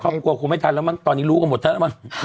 ครอบครัวครัวไม่ทันแล้วมันตอนนี้รู้กับหมดแล้วมัน